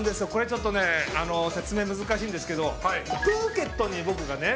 ちょっとね説明難しいんですけどプーケットに僕がね